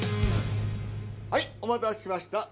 はいお待たせしました。